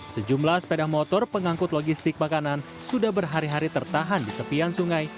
sejumlah sepeda motor pengangkut logistik makanan sudah berhari hari tertahan di tepian sungai